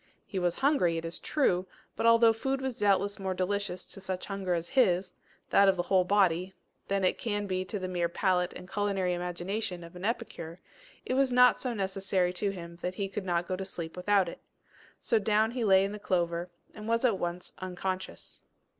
He was hungry, it is true; but although food was doubtless more delicious to such hunger as his that of the whole body than it can be to the mere palate and culinary imagination of an epicure, it was not so necessary to him that he could not go to sleep without it. So down he lay in the clover, and was at once unconscious.